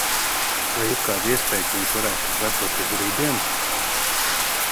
Vai ir kāda iespēja, ka viņš varētu tur darboties rītdien?